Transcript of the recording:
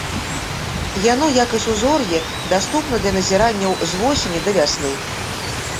Яно як і сузор'е даступна для назіранняў з восені да вясны.